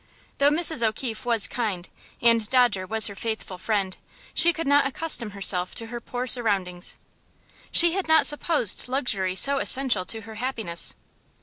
Though Mrs. O'Keefe was kind, and Dodger was her faithful friend, she could not accustom herself to her poor surroundings. She had not supposed luxury so essential to her happiness.